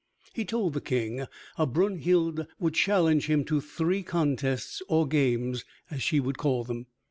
He told the King how Brunhild would challenge him to three contests, or games, as she would call them.